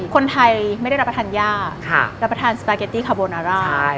คนไทยไม่ได้รับประทานย่ารับประทานสปาเกตตี้คาโบนาร่า